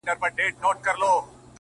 • زه پوهېږم نیت دي کړی د داړلو ,